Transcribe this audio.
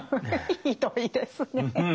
ひどいですねえ。